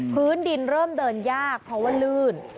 พื้นดินเริ่มเดินยากเพราะว่าลื่น